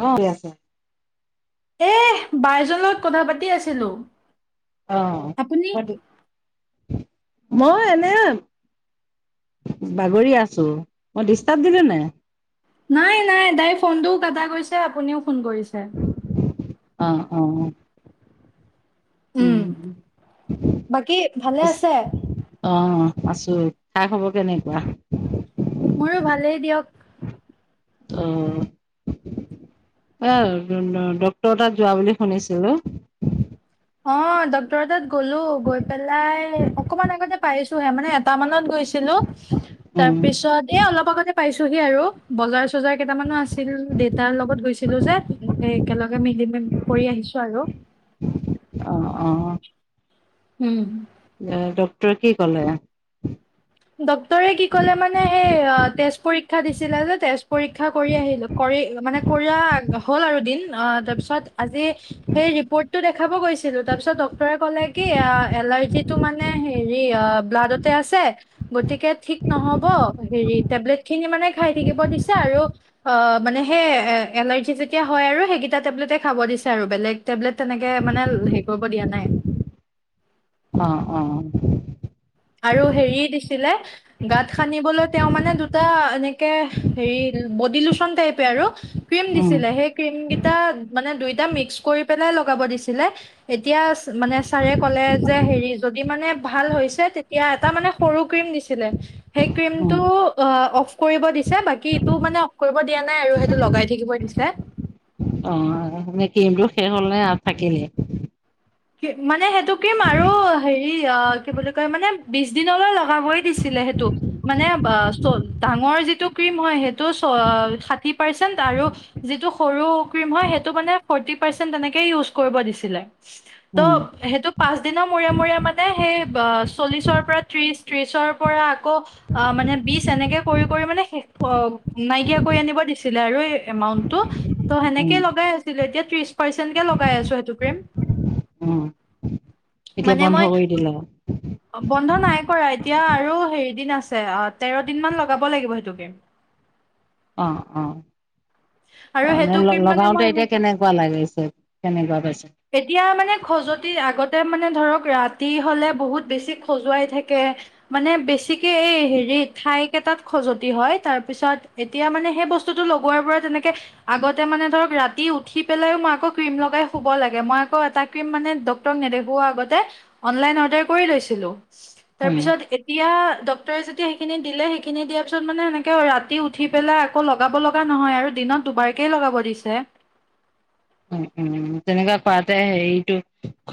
অ', [unintelligible] আছে। এ বাই এজনীৰ লগত কথা পাতি আছিলো। অ', আপুনি [unintelligible] মই এনে বাগৰি আছো, মই ডিষ্টাৰ্ব দিলো নে। নাই- নাই, তাইৰ ফোনটোও কাটা গৈছে, আপুনিও ফোন কৰিছে। অ', অ'। উম, [unintelligible] বাকী ভালে আছে অ', আছো, খা খবৰ কেনেকুৱা। মইও ভালেই দিয়ক। অ'। অ', [unintelligible] ডক্তৰ তাত যোৱা বুলি শুনিছিলো। অ', ডক্তৰৰ তাত গ'লো, গৈ পেলাই অকমান আগতে পাইছোহে, মানে এটা মানত গৈছ ছিলো, উম তাৰপিছত এ অলপ আগতে পাইছোহি আৰু বজাৰ চজাৰ কেইটামানো আছিল, দেতাৰ লগত গৈছিলো যে, সেই একেলগে মিলি মে [unintelligible] কৰি আহিছো আৰু। অ', অ'। উম। ইয়াৰ ডক্টৰে কি ক'লে। ডক্টৰে কি ক'লে মানে এই অ তেজ পৰীক্ষা দিছিলে যে, তেজ পৰীক্ষা কৰি আহিলো। কৰি মানে কৰা হ'ল আৰু দিন, অ', তাৰপিছত আজি সেই ৰিপৰ্টটো দেখাব গৈছিলোঁ, তাৰপিছত ডক্টৰে ক'লে কি অ এলাৰ্জিটো মানে হেৰি অ ব্লাডতে আছে গতিকে ঠিক নহ'ব, হেৰি টেবলেটখিনি মানে খাই থাকিব দিছে আৰু অ, মানে সেই এ এলাৰ্জি যেতিয়া হয় আৰু সেইকেইটা টেবলেট খাব দিছে আৰু বেলেগ টেবলেট তেনেকে মানে হেই কৰিব দিয়া নাই। অ, অ। আৰু হেৰি দিছিলে গাত সানিবলৈ তেওঁ মানে দুটা এনেকে হেৰি বডি লোচন টাইপে আৰু। ক্ৰীম উম দিছিলে। সেই ক্ৰীমকিটা মানে দুইটা মিক্স কৰি পেলাই লগাব দিছিলে। এতিয়া মানে ছাৰে ক'লে যে হেৰি যদি মানে ভাল হৈছে তে তিয়া এটা মানে সৰু ক্ৰীম দিছিলে। সেই উম ক্ৰীমটো অ অফ কৰিব দিছে। বাকী ইটো মানে অফ কৰিব দিয়া নাই আৰু সে টো লগাই থাকিবই দিছে। অ, নে ক্ৰীমটো শেষ হ'ল নে আৰু থাকিলেই? কি মানে সেইটো ক্ৰিম আৰু হেৰি অ কি বুলি কয় মানে বিছ দিনলৈ লগাবই দিছিলে সেইটো, মানে অ চ ডাঙৰ যিটো ক্ৰীম হয় সে টো চ ষাঠি পাৰ্চেণ্ট আৰু যিটো সৰু ক্ৰীম হয় সেইটো মানে ফৰটি পাৰ্চেণ্ট তেনেকে ইউচ কৰিব দিছিলে। ত উম সেইটো পাঁচদিনৰ মূৰে মূৰে মানে সেই ব চল্লিছৰ পৰা ত্ৰিছ, ত্ৰিছৰ পৰা আকৌ আ মানে বিছ এনেকে কৰি, কৰি মানে শেষ অ নাইকিয়া কৰি আনিব দিছিলে আৰু এ এমাউন্টটো, ত' উম সেনেকে লগাই আছিলো। এতিয়া ত্ৰিছ পাৰ্চেন্টকে লগাই আছো সেইটো ক্ৰীম। উম। এতিয়া মানে বন্ধ মই কৰি দিলে বন্ধ নাই কৰা। এতিয়া আৰু হেৰি দিন আছে, অ তেৰ দিনমান লগাব লাগিব সেইটো ক্ৰীম। অ, অ। আৰু অ [unintelligible] সেইটো লগাও ক্ৰীম মানে লগাওতে মই এতিয়া এনেকে কেনেকুৱা লাগিছে, কেনেকুৱা পাইছা? এতিয়া মানে খজতি, আগতে মানে ধৰক ৰাতি হ'লে বহুত বেছি খজুৱাই থাকে। মানে বেছিকে এই হেৰি থাইকেটাত খজতি হয়। তাৰ পিছত এতিয়া মানে সেই বস্তুটো লগোৱাৰ পৰা তেনেকে আগতে মানে ধৰক ৰাতি উঠি পেলাইও মই আকৌ ক্ৰীম লগাই শুব লাগে। মই আকৌ এটা ক্ৰীম মানে ডক্টৰক নেদেখোৱা আগতে অনলাইন অৰ্ডাৰ কৰি লৈছিলো। উম তাৰপিছত এ এতিয়া ডক্টৰে যেতিয়া সেইখিনি দিলে, সেইখিনি দিয়া পিছত মানে সেনেকে ৰাতি উঠি পেলাই আকৌ লগাব লগা নহয় আৰু দিনত দুবাৰকেই লগাব দিছে। উম, উম। তেনেকা কৰাতে হেৰিটো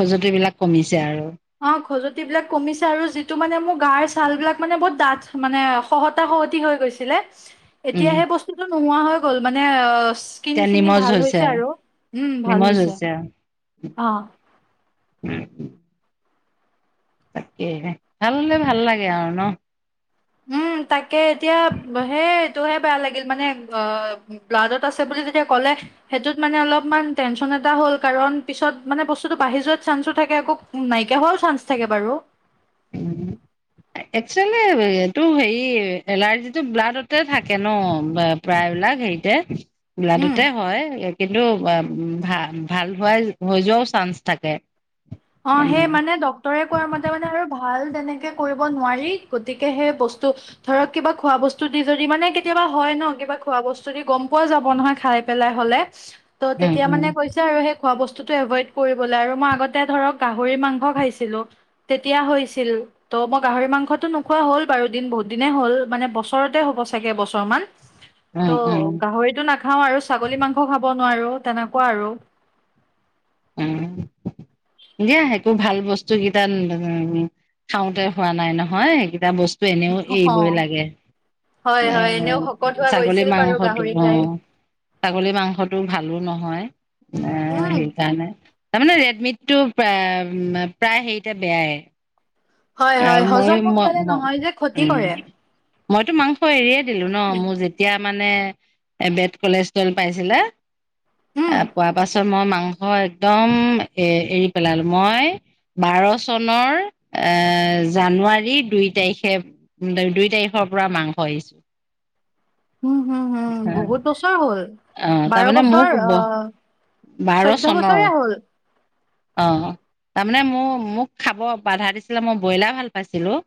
খজতিবিলাক কমিছে আৰু। অ, খজতিবিলাক কমিছে আৰু যিটো মানে মোৰ গাৰ ছালবিলাক মানে বহুত ডাঠ মানে। খহটা খহটি হৈ গৈছিলে। উম এতিয়া সেই বস্তুটো নোহোৱা হৈ গ'ল মানে আচ এতিয়া কিনখিনি নিমজ ভাল হৈছে আৰু। উম, ভাল নিমজ হৈছে, আৰু অ। [unintelligible] তাকেহে। ভাল হ'লে লাগে আৰু ন। উম, তাকে এতিয়াব সেই টোহে বেয়া লাগিল মানে অ ব্লাডত আছে বুলি যেতিয়া ক'লে। সেইটোত মানে অলপমান টেনচন এটা হ'ল, কাৰণ পিছত মানে বস্তুটো বাঢ়ি যোৱাত চান্সো থাকে। আকৌ উম, নাইকিয়া হোৱাও চান্স থাকে বাৰু। উম, উম। একচুৱেলি এইটো হেৰি এলাৰ্জিটো ব্লাডতে থাকে ন? বা প্ৰায়বিলাক হেৰিতে উম ব্লাডতে হয়। এ কিন্তু ভা-ভাল হোৱাৰ হৈ যোৱাও চান্স থাকে। অ', উম সেই মানে ডক্তৰে কোৱা মতে মানে আৰু ভাল তেনেকে কৰিব নোৱাৰি, গতিকে সেই বস্তু ধৰক কিবা খোৱা বস্তু দি যদি মানে কেতিয়াবা হয় ন, কিবা খোৱা বস্তু দি গম পোৱা যাব নহয় খাই পেলাই হ'লে। ত' উম তেতিয়া উম মানে কৈছে আৰু সেই খোৱা বস্তুটো এভইদ কৰিবলে আৰু মই আগত তে ধৰক গাহৰি মাংস খাইছিলো, তেতিয়া হৈছিল। ত' মই গাহৰি মাংসটো নোখোৱা হ'ল বাৰু দিন বহুত দিনে হ'ল, মানে বছৰতে হ'ব চাগে এবছৰ মান। [inaudible] ত' উম গাহৰিটো নাখাও আৰু ছাগলী মাংস খাব নোৱাৰো, তেনেকুৱা আৰু। উম, দিয়া সেইটো ভাল বস্তু কেইটা [unintelligible] খাওঁতে হোৱা নাই নহয়, সেইকেইটা বস্তু এনেও অ এৰিবই লাগে। হয় এ হয় এনেও শকত হোৱা ছাগলীৰ গৈছিল বাৰু মাংসটো গাহৰি খাই অ'। ছাগলী মাংসটো ভালো নহয়, এ উম হেৰি [unintelligible] তাৰমানে ৰেডমিটো পে প্ৰায় হেৰিতে বেয়াই। হয় এ হয় মইও হজম সোনকালে ম-ম নহয় যে ক্ষতি উম। কৰে মইতো মাংস এৰিয়ে দিলো ন, মোৰ যেতিয়া মানে [unintelligible] কলেচটল পাইছিলে, এ উম পোৱা পাছত মই মাংস ধৰ একদম এ এৰি পেলালো, মই বাৰ চনৰ এ জানুৱাৰী দুই তাৰিখে, দুই তাৰিখৰ পৰা মাংস এৰিছো। [inaudible] উম, হম, হম, বহুত বছৰ হ'ল। অ', বাৰ তাৰমানে বছৰ মোৰ [unintelligible] আহ বাৰ চৈধ্য বছৰে চনৰ, হ'ল অ'। তাৰ মানে মোৰ মোক খাব বাধা দিছিলে, মই ব্ৰইলাৰ ভাল পাইছিলো।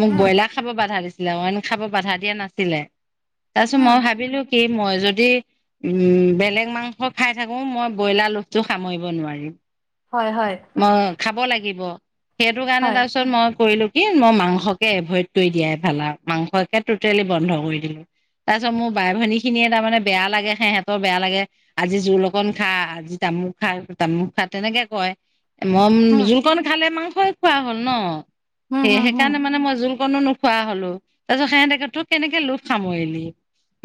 মোক উম ব্ৰইলাৰ খাব বাধা দিছিলে, অইন খাব বাধা দিয়া নাছিলে, তাৰপিছত উম মই ভাবিলো কি মই যদি উম, বেলেগ মাংস খাই থাকো মই ব্ৰইলাৰ লোভটো সামৰিব নোৱাৰিম। হয়-হয়। মই খাব লাগিব, সেইটো কাৰণে হয় তাৰপিছত মই কৰিলো কি মই মাংসকে এভইড কৰি দিয়াই ভাল আৰু, মাংসকে টটেলি বন্ধ কৰি দিলো। তাৰ পিছত মোৰ বাই ভনী খিনিয়ে তাৰমানে বেয়া লাগে, সিহঁতৰ বেয়া লাগে আজি জোল অকন খা, আজি তামুক খা- তামুক খা, তেনেকে কয়। মই উম জোলকণ খালে মাংসই খোৱা হ'ল ন, হম সেই হম হম সেইকাৰণে মানে মই জোল কনো নোখোৱা হ'লো, তাৰ পিছত সেহতেকে তোৰ কেনেকে লোভ সামৰিলি।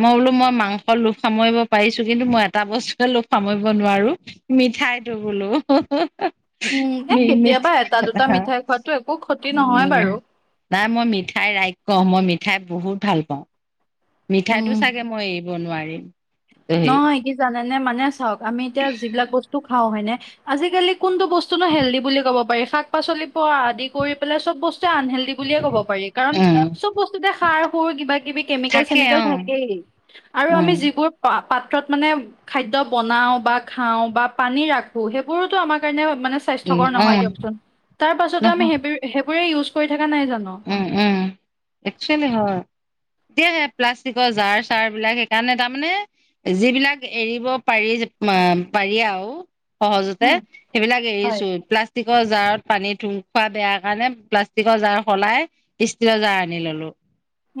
মই বোলো মই মাংস লোভ সামৰিব পাৰিছো, কিন্তু মই এটা বস্তুকে লোভ সামৰিব নোৱাৰো মিঠাইটো বোলো। উম এ [unintelligible] নাই মই কেতিয়াবা এটা দুটা মিঠাই খোৱাতো একো ক্ষতি নহয় বাৰু মিঠাই ৰাক্ষস, মই মিঠাই বহুত ভাল পাওঁ। মিঠাইটো উম চাগে মই এৰিব নোৱাৰিম। হেই নহয় কি জানেনে, মানে চাওঁক, আমি এতিয়া যিবিলাক বস্তু খাওঁ হয় নে, আজিকালি কোনটো বস্তুনো হেলডি বুলি ক'ব পাৰি, শাক পাচলি পোৱা আদি কৰি পেলাই চব বস্তুৱে আনহেল্ডি বুলিয়ে ক'ব পাৰি, কাৰণ উম চব বস্তুতে সাৰ সুৰ কিবা কিবি কেমিকেল থাকে চেমিকেল অ থাকেই, আৰু আমি উম যিবোৰ পা পাত্ৰত মানে খাদ্য বনাও বা খাওঁ বা পানী ৰাখো, সেইবোৰোতো আমাৰ কাৰণেও মানে উম স্বাস্থ্যকৰ নহয় উম দিয়কচোন। তাৰ পাছতো আমি নহয় সেইবো সেইবোৰে ইউজ কৰি থকা নাই জানো। উম, উম। একচুৱেলি হয়। তিয়ে প্লাষ্টিকৰ জাৰ-চাৰবিলাক সেইকাৰণে তাৰমানে যিবিলাক এৰিব পাৰি মা পাৰি আও সহজতে উম সেইবিলাক হয় এৰিছো। প্লাচ প্লাষ্টিকৰ জাৰত পানী ধু খোৱা বেয়া কাৰণে প্লাষ্টিকৰ জাৰ সলাই ষ্টিলৰ জাৰ আনি ল'লো।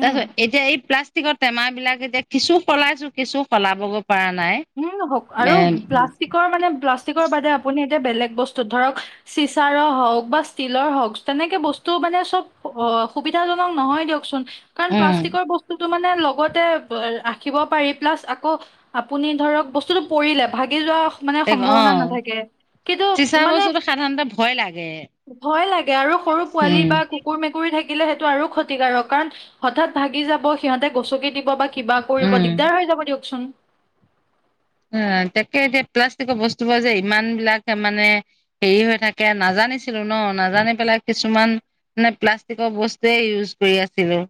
তাৰ পিছত এতিয়া এই প্লাচ ষ্টিকৰ টেমাবিলাক এতিয়া কিছু সলাইছো, কিছু সলাবগৈ পাৰা নাই। উম হওঁক, আৰু প্লাষ্টিকৰ মানে প্লাষ্টিকৰ বাদে আপুনি এতিয়া বেলেগ বস্তু ধৰক চিচাৰৰ হওঁক বা ষ্টীলৰ হওঁক তেনেকে বস্তু মানে চব অ সুবিধাজনক নহয় দিয়ক চোন। কাৰণ প্লাষ্টিকৰ বস্তুটো মানে লগতে ৰাখিব পাৰি। প্লাচ আকৌ আপুনি ধৰক বস্তুটো পৰিলে, ভাগি যোৱা মানে এ উম সম্ভাৱনা অ' নাথাকে, কিন্তু চিচা মানে বস্তুটো সাধাৰণতে ভয় লাগে। ভয় লাগে আৰু সৰু পোৱালি উম বা কু কুকুৰ, মেকুৰী থাকিলে সেইটো আৰু ক্ষতিকাৰক। কাৰণ হঠাৎ ভাগি যাব, সিহঁতে গচকি দিব বা কিবা কৰিব উম দিগদাৰ হৈ যাব দিয়কচোন। উম, তাকে এতিয়া প্লাষ্টিকৰ বস্তুবোৰ যে ইমানবিলাক তা মানে হেৰি হৈ থাকে। নাজানিছিলো ন। নাজানি পেলাই কিছুমান মানে প্লাষ্টিকৰ বস্তুৱে ইউজ কৰি আছিলো।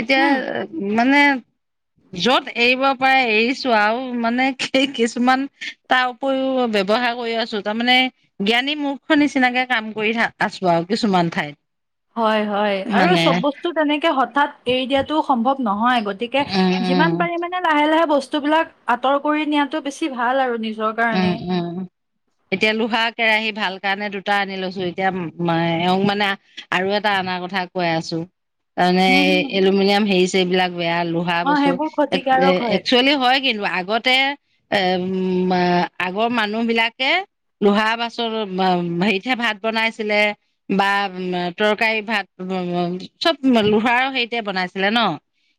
এতিয়া হম মানে য'ত এৰিব পাৰে এৰিছো, আও মানে এ কিছুমান তাৰ উপৰিও ব্যৱহাৰ কৰি আছো। তাৰমানে জ্ঞানী মূৰ্খৰ নিচিনাকে কাম কৰি থা আছো আও কিছুমান ঠাইত। হয়, হয় আৰু মানে চব বস্তু তেনেকে হঠাৎ এৰি দিয়াটোও সম্ভৱ নহয়। গতিকে উম যিমান উম পাৰি মানে লাহে লাহে বস্তুবিলাক আঁতৰ কৰি নিয়াটো বেছি ভাল আৰু নিজৰ কাৰণে। উম, উম। এতিয়া লোহাৰ কেৰাহী ভাল কাৰণে দুটা আনি লৈছো। এতিয়া এওঁক মানে আৰু এটা আনাৰ কথা কৈ আছো। তাৰমানে হুম হুম এলুমিনিয়াম হেই-ছেইবিলাক বেয়া। লো হা অ বস্তু। সেইবোৰ ক্ষতিকাৰক হয় এক-একচুৱেলি হয় কিন্তু। আগতে এ উম মা আগৰ মানুহবিলাকে লোহাৰ বাচনত হেৰিতহে ভাত বনাইছিলে। বা তৰকাৰী, ভাত চব লোহাৰৰ হেৰিতে বনাইছিলে ন?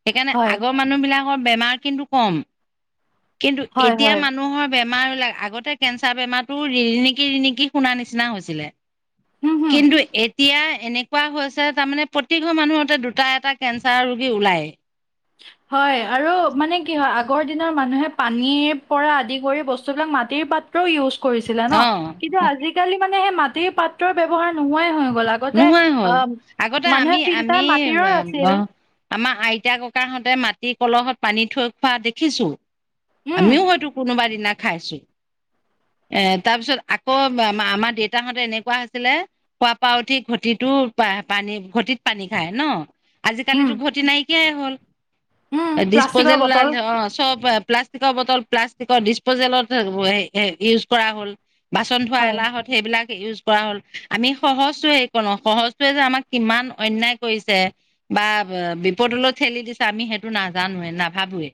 সেইকাৰণে হয় আগৰ মানুহবিলাকৰ বেমাৰ কিন্তু কম। কিন্তু হয় এতিয়া হয় মানুহৰ বেমাৰবিলাক, আগতে কেঞ্চাৰ বেমাৰটো ৰিণিকি ৰিণিকি শুনা নিচিনা হৈছিলে। হুম হুম কিন্তু এতিয়া এনেকুৱা হৈছে তামানে প্ৰতিঘ মানুহতে দুটা, এটা কেঞ্চাৰ ৰোগী ওলায়। হয়, আৰু মানে কি হয় আগৰ দিনৰ মানুহে পানীৰ পৰা আদি কৰি বস্তুবিলাক মাটিৰ পাত ত্ৰ ইউজ কৰিছিলে ন। অ কিন্তু আজি-কালি মানে সে মাটিৰ পাত্ৰৰ ব্যৱহাৰ নোহোৱাই হৈ গ'ল। আ নোহোৱাই হ'ল। আগতে আমি, আমি ফিল্টাৰ মাটিৰৰ আ আছিল [unintelligible] আমা আইতা, ককাহঁতে মাটি কলহত পানী থৈ খোৱা দেখিছো। উম আমিও হয়তো কোনোবা দিনা খাইছো। এ তাৰ পিছত আকৌ [unintelligible] আমা-আমা দেউতাহঁতে এনেকুৱা আছিলে শুৱা পা উঠি ঘটিটো পা পানী ঘটিত পানী খায় ন? উম আজি-কালিতো ঘটি নাইকিয়াই হ'ল। উম প্লাষ্টিকৰ ডিচপজেল ওলাল, বটল অ চব ষ্টিকৰ বটল প্লাষ্টিকৰ ডিচপজেলত হে-হে ইউজ কৰা হ'ল বাচন ধোৱা হয় এলাহত। সেইবিলাক ইউজ কৰা হ'ল। আমি সহজটোৱে [unintelligible] সহজটোৱে যে আমাক কিমান অন্যায় কৰিছে। বা বিপদলৈ ঠেলি দিছে আমি সেইটো নাজানোৱে, নাভাবোৱে।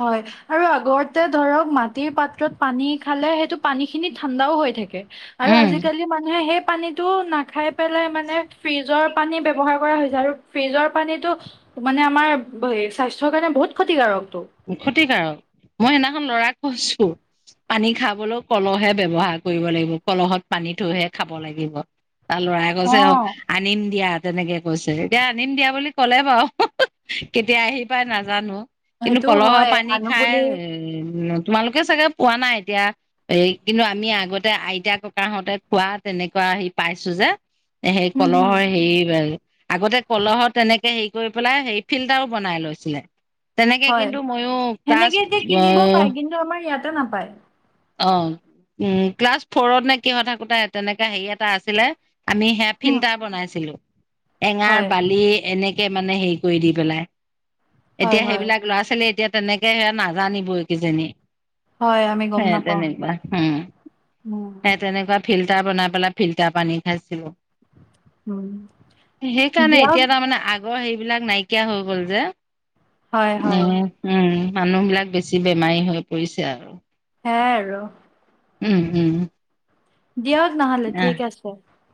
হয়, আৰু আগতে ধৰক মাটিৰ পাত্ৰত পানী খালে সেইটো পানীখিনি ঠাণ্ডাও হৈ থাকে আৰু উম আজি-কালি মানুহে হে পানীত টো নাখাই পেলাই মানে ফ্ৰিজৰ পানী ব্যৱহাৰ কৰা হৈছে আৰু ফ্ৰিজৰ পানীটো টো মানে আমাৰ হে স্বাস্থ্যৰ কাৰণে বহুত ক্ষতিকাৰকটো। ক্ষতিকাৰক। মই সেদিনাখন ল'ৰাক কৈছো। পানী খাবলও কলহে ব্যৱহাৰ কৰিব লাগিব। কলহত পানী থৈহে খাব লাগিব। তাৰ ল'ৰাই কৈছে অ আনিম দিয়া। তেনেকে কৈছে। এতিয়া আনিম দিয়া বুলি ক'লে বাও। [unintelligible] কেতিয়া আহি পাই নাজানো। কিন্তু সেইটো কলহৰ হয় পানী আনো বুলি খাই উ তোমালোকে চাগে পোৱা নাই এতিয়া? এই কিন্তু আমি আগতে আইতা, ককাহঁতে খোৱা তেনেকুৱা হেই পাইছো যে। হেই উম হম কলহৰ হেই [unintelligible] আগতে কলহত তেনেকে হেই কৰি পেলাই হেই ফিল্টাৰো বনাই লৈছিলে। তেনেকে হয়, কিন্তু ময়ো ক্লাছ সেনেকে এতিয়া কিনিবও পায়, কিন্তু আমাৰ ইয়াতে নাপায়। অ, উ ক্লাছ ফৰত নে কিহত থাকোতে তেনেকা হেৰি এটা আছিলে। আমি হেয়া উম ফিল্টাৰ বনাইছিলো। এঙাৰ, হয় বালি এনেক কে মানে হেই কৰি দি পেলাই। হয় এতিয়া হয় সেইবিলাক ল'ৱা-ছোৱালী এতিয়া তেনেকে হেয়া নাজানিবই কিজানি। হয় আমি গম সে নাপাওঁ সেইবোৰ। তেনেকুৱা উম হু। তেনেকুৱা ফিল্টাৰ বনাই পেলাই ফিল্টাৰ পানী খাইছিলো। উম সেইকাৰণে দিয়ক এতিয়া তাৰমানে আগ আগৰ হেৰিবিলাক নাইকিয়া হৈ গ'ল যে। হয় এ হয় উম, মানুহবিলাক বেছি বেমাৰী হৈ পৰিছে আৰু। সেয়া আৰু। উম, উম। দিয়ক নহ'লে ঠিক আছে।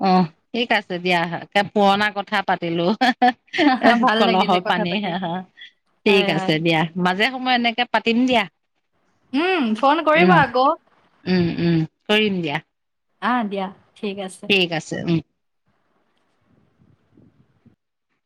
অহ, ঠিক আছে দিয়া। একে পুৰণা কথা পাতিলোঁ হেহ। [unintelligible] ভাল লাগিলে কলহৰ কথা পানী পাতি [unintelligible] হয় ঠিক হয় আছে দিয়া। মাজে সময় এনেকে পাতিম দিয়া। উম, ফন কৰিবা উম আকৌ। উম, উম কৰিম দিয়া। অ দিয়া ঠিক আছ ঠিক আছে উ।